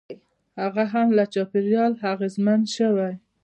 هغه هم له چاپېریال اغېزمن شوی.